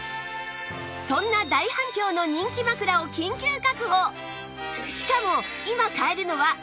そんな大反響の人気枕を緊急確保！